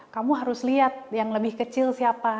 kamu harus lihat yang lebih kecil siapa